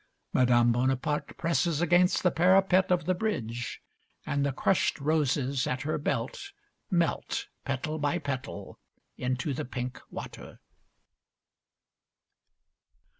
Madame Bonaparte presses against the parapet of the bridge, and the crushed roses at her belt melt, petal by petal, into the pink water.